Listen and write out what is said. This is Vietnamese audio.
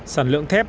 sản lượng thép